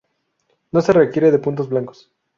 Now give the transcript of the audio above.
No se requiere de puntos blancos.